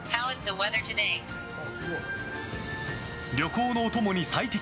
旅行のお供に最適！